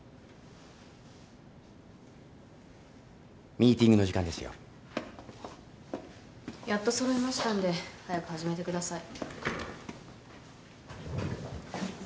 ミーティングの時間ですよ。やっと揃いましたんで早く始めてください。